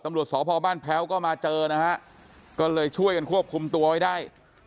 ตำรวจสพบ้านแพ้วก็มาเจอนะฮะก็เลยช่วยกันควบคุมตัวไว้ได้